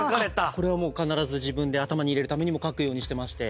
これは必ず自分で頭に入れるためにも書くようにしてまして。